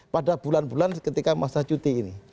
pada bulan bulan ketika masa cuti ini